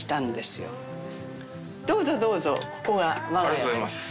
ありがとうございます。